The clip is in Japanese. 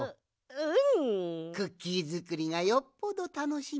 うん。